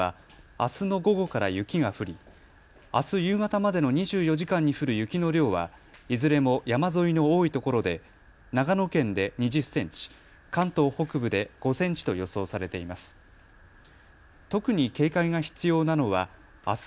あす夕方までの２４時間に降る雪の量はいずれも山沿いの多いところで長野県で２０センチ、関東北部で５センチと予想されています。